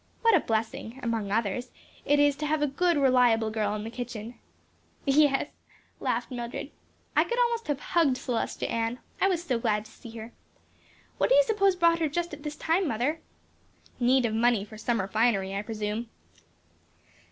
"What a blessing, among others, it is to have a good reliable girl in the kitchen!" "Yes," laughed Mildred, "I could almost have hugged Celestia Ann; I was so glad to see her. What do you suppose brought her just at this time, mother?" "Need of money for summer finery, I presume.